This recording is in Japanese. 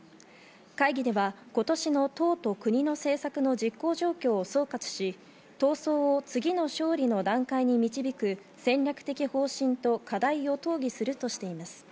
会議では今年の党と国の政策の実行状況を総括し、闘争を次の勝利の段階に導く戦略的方針と課題を討議するとしています。